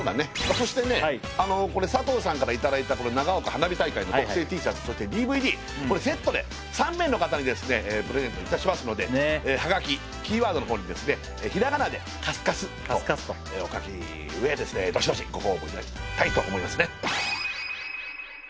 そして佐藤さんからいただいた長岡花火大会の特製ＴシャツとＤＶＤこれセットで３名の方にプレゼントいたしますのでハガキキーワードのほうにですねひらがなで「かすかす」とお書きのうえどしどしご応募いただきたいと思います。